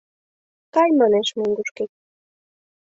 Кай, манеш, мӧҥгышкет!